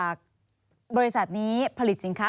มีความรู้สึกว่ามีความรู้สึกว่า